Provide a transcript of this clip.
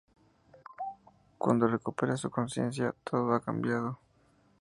Cuando recupera su conciencia, todo ha cambiado.